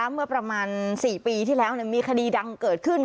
เมื่อประมาณ๔ปีที่แล้วมีคดีดังเกิดขึ้น